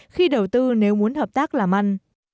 khi đầu tư nếu muốn hợp tác làm ăn